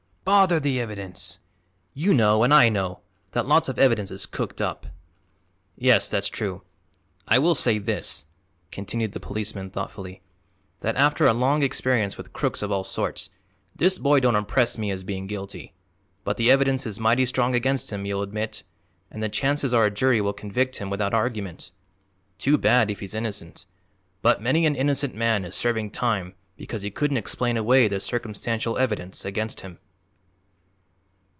"Bother the evidence! You know, an' I know, that lots of evidence is cooked up." "Yes, that's true. I will say this," continued the policeman, thoughtfully, "that after a long experience with crooks of all sorts, this boy don't impress me as being guilty. But the evidence is mighty strong against him, you'll admit, and the chances are a jury will convict him without argument. Too bad, if he's innocent; but many an innocent man is serving time because he couldn't explain away the circumstantial evidence against him."